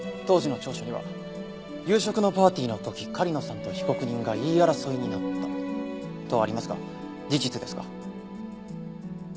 当時の調書には夕食のパーティーの時狩野さんと被告人が言い争いになったとありますが事実ですか？